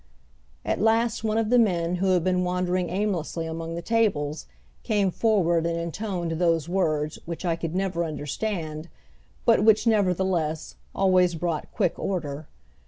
At last one of the men who had been wandering aimlessly among the tables came forward and intoned those words which I could never understand, but which, nevertheless, always brought quick order.